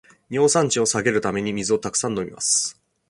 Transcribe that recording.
尿酸値を下げるために水をたくさん飲みます